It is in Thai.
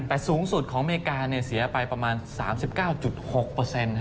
แต่สูงสุดของอเมริกาเนี่ยเสียไปประมาณ๓๙๖เปอร์เซ็นต์